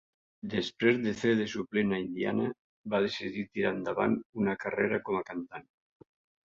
Després de fer de suplent a Indiana, va decidir tirar endavant una carrera com a cantant.